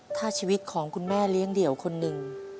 ถ้าชีวิตของคุณแม่เลี้ยงเดี่ยวคนหนึ่ง